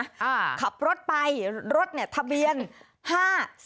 อ่าขับรถไปรถเนี่ยทะเบียน๕๔๑๓ค่ะ